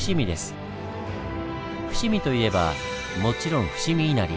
伏見といえばもちろん伏見稲荷。